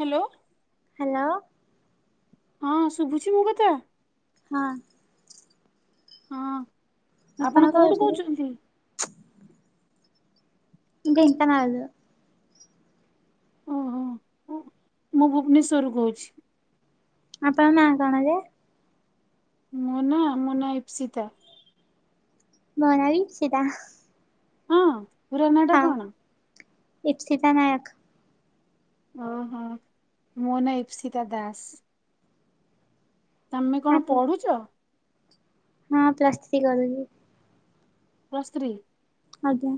Hello. Hello. ହଁ ଶୁଭୁଛି ମୋ କଥା। ହଁ। ହଁ, ଆପଣ କୋଉଠୁ କହୁଛନ୍ତି? ଢେଙ୍କାନାଳରୁ। ଓହୋ! ମୁଁ ଭୁବନେଶ୍ୱରରୁ କହୁଛି। ଆପଣ ନାଁ କଣ ଯେ? ମୋ ନାଁ ମୋ ନାଁ ଇପ୍ସିତା। ମୋ ନାଁ ବି ଇପ୍ସିତା। ହଁ, ପୁରା ନା ଟା ହଁ କଣ? ଇପ୍ସିତା ନାୟକ। ଓହୋ! ମୋ ନାଁ ଇପ୍ସିତା ଦାସ। ତମେ କଣ ଆପଣ ପଢୁଛ? ହଁ ପ୍ଲସ୍ ଥ୍ରୀ କରୁଛି। Plus three? ଆଜ୍ଞା।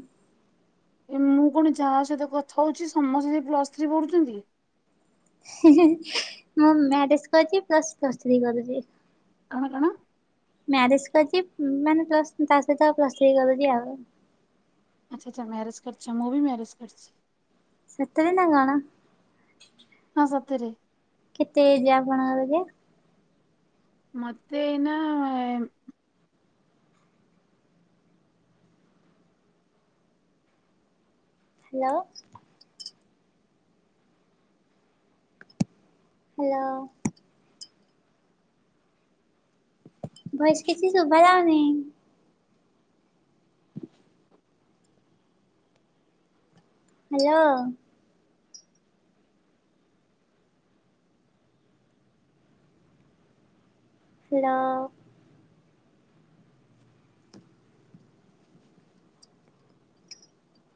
ଏ ମୁଁ କଣ ଯାହା ସହିତ କଥା ହଉଛି ସମସ୍ତେ ସେ ପ୍ଲସ୍ ଥ୍ରୀ ପଢ଼ୁଛନ୍ତି। ମୁଁ ମ୍ୟାରେଜ କରିଛି ପ୍ଲସ୍ ଥ୍ରୀ କରୁଛି। କଣ କଣ? ମ୍ୟାରେଜ କରିଛି ମାନେ ପ୍ଲସ୍ ତା ସହିତ ପ୍ଲସ୍ ଥ୍ରୀ କରୁଛି ଆଉ। ଆଚ୍ଛା ଆଚ୍ଛା ମାରେଜ କରିଛି, ମୁଁ ବି ମ୍ୟାରେଜ କରିଛି। ସତରେ ନା କଣ? ହଁ ସତରେ। କେତେ ଏଯ ଆପଣଙ୍କର ଯେ? ମତେ ଏଇ ନା ହ୍ୟାଲୋ। ହ୍ୟାଲୋ। ଭଏସ କିଛି ଶୁଭା ଯାଉନି। ହ୍ୟାଲୋ। ହେଲୋ।